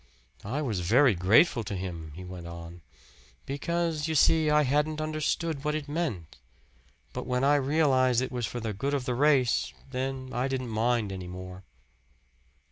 "I was very grateful to him," he went on, "because, you see, I hadn't understood what it meant. But when I realized it was for the good of the race, then I didn't mind any more."